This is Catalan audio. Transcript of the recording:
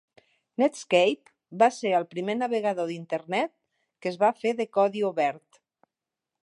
Netscape va ser el primer navegador d'internet que es va fer de codi obert.